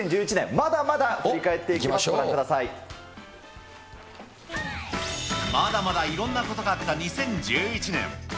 まだまだ振り返っていきます、まだまだいろんなことがあった２０１１年。